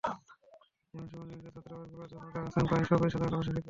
এখন শিবির-নিয়ন্ত্রিত ছাত্রাবাসগুলোতে যাঁরা আছেন তাঁরা প্রায় সবাই সাধারণ আবাসিক শিক্ষার্থী।